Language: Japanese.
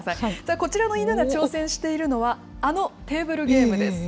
こちらの犬が挑戦しているのは、あのテーブルゲームです。